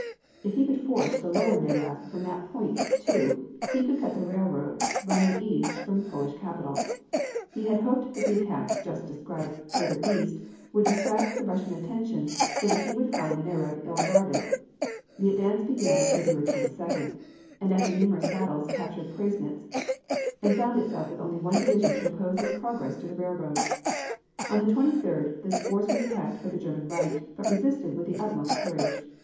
If he could force the lower Narev from that point, too, he could cut the railroad running east from the Polish capital. He had hoped that the attacks just described further east would distract the Russian attention so that he would find the Narev ill guarded. The advance began on February 22d, and after numerous battles captured Przasnysz, and found itself with only one division to oppose its progress to the railroad. On the 23d this force was attacked by the German right, but resisted with the utmost courage.